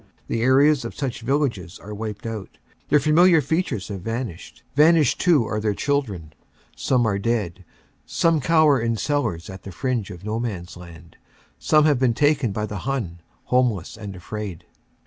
The areas of such villages are wiped out. Their familiar features have vanished. Vanished too are their children. Some are dead. Some cower in cellars at the fringe of No Man s Land. Some have been taken by the Hun, homeless and afraid.